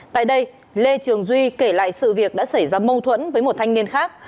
tại đây lê trường duy kể lại sự việc đã xảy ra mâu thuẫn với một thanh niên khác